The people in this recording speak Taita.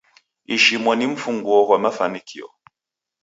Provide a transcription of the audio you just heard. Ishomo ni mfunguo ghwa mafanikio.